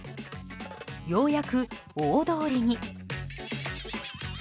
ようやく大通りに。